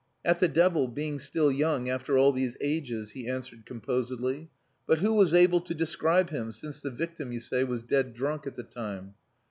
"At the devil being still young after all these ages," he answered composedly. "But who was able to describe him, since the victim, you say, was dead drunk at the time?"